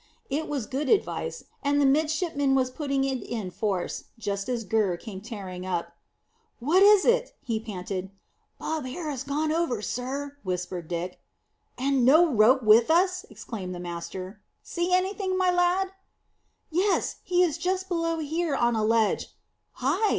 It was good advice, and the midshipman was putting it in force just as Gurr came tearing up. "What is it?" he panted. "Bob Harris gone over, sir," whispered Dick. "And no rope with us!" exclaimed the master. "See anything, my lad?" "Yes; he is just below here on a ledge. Hi!